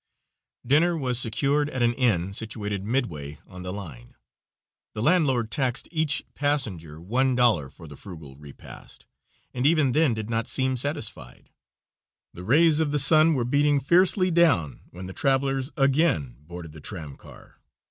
Dinner was secured at an inn situated midway on the line. The landlord taxed each passenger one dollar for the frugal repast, and even then did not seem satisfied. The rays of the sun were beating fiercely down when the travelers again boarded the tram car.